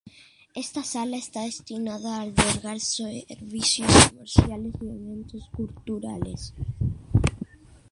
Esta sala está destinada a albergar servicios comerciales y eventos culturales.